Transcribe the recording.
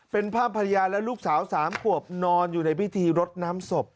เป็นภาพภรรยาและลูกสาว๓ขวบนอนอยู่ในพิธีรดน้ำศพ